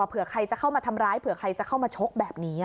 เผื่อใครจะเข้ามาทำร้ายเผื่อใครจะเข้ามาชกแบบนี้